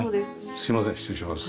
すいません失礼します。